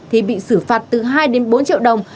thì bị xử phạt từ hai đến bốn triệu đồng